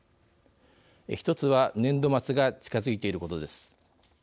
一つは年度末が近づいていることです。